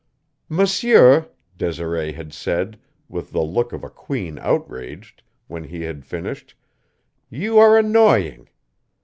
"Monsieur," Desiree had said, with the look of a queen outraged, when he had finished, "you are annoying.